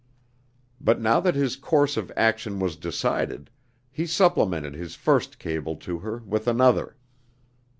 But now that his course of action was decided, he supplemented his first cable to her with another.